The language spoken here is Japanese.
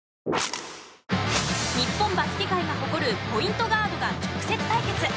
日本バスケ界が誇るポイントガードが直接対決。